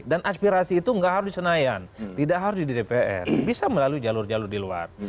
dan aspirasi itu nggak harus di senayan tidak harus di dpr bisa melalui jalur jalur di luar